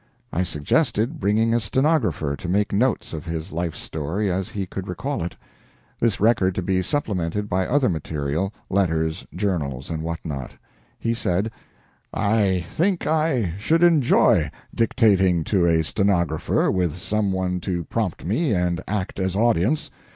I suggested bringing a stenographer to make notes of his life story as he could recall it, this record to be supplemented by other material letters, journals, and what not. He said: "I think I should enjoy dictating to a stenographer with some one to prompt me and act as audience.